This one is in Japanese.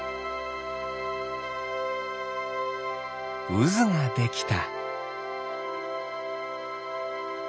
うずができた。